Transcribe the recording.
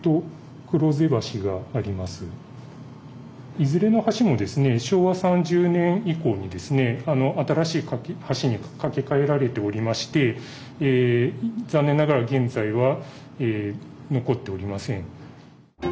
いずれの橋もですね昭和３０年以降にですね新しい橋に架け替えられておりまして残念ながら現在は残っておりません。